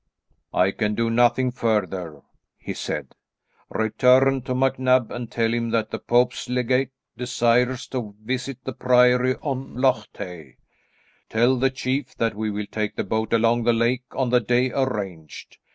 "I can do nothing further," he said. "Return to MacNab and tell him that the Pope's legate desires to visit the Priory on Loch Tay. Tell the chief that we will take the boat along the lake on the day arranged.